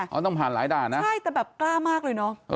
เอาต้องผ่านหลายด่านนะใช่แต่แบบกล้ามากเลยเนอะ